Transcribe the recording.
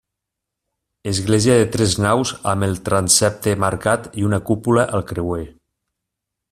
Església de tres naus amb el transsepte marcat i una cúpula al creuer.